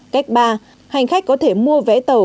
cách ba hành khách có thể mua vé tàu